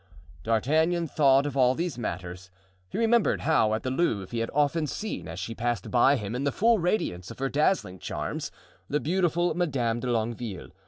D'Artagnan thought of all these matters. He remembered how at the Louvre he had often seen, as she passed by him in the full radiance of her dazzling charms, the beautiful Madame de Longueville.